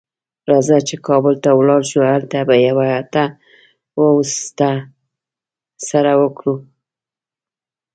راځه چې کابل ته ولاړ شو؛ هلته به یوه هټه او سټه سره وکړو.